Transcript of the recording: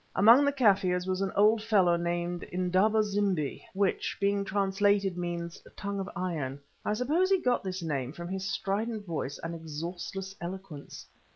Among the Kaffirs was an old fellow named Indaba zimbi, which, being translated, means "tongue of iron." I suppose he got this name from his strident voice and exhaustless eloquence.